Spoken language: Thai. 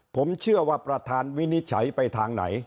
ผมเชื่อว่าประธานวินิจฉัยไปทางไหน